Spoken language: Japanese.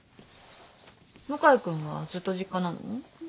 向井君はずっと実家なの？